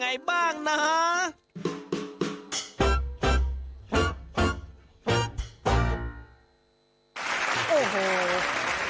วิธีแบบไหนไปดูกันเล็ก